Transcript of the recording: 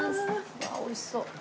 うわ美味しそう！